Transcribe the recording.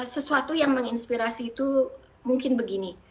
sesuatu yang menginspirasi itu mungkin begini